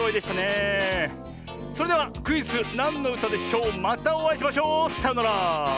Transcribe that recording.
それではクイズ「なんのうたでしょう」またおあいしましょう。さようなら！